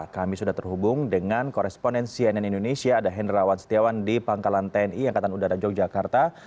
kami sudah terhubung dengan koresponen cnn indonesia ada hendrawan setiawan di pangkalan tni angkatan udara yogyakarta